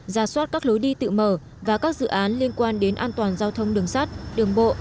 ra soát các lối đi tự mở và các dự án liên quan đến an toàn giao thông đường sắt đường bộ